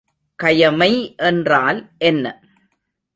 கயமை என்றால் என்ன?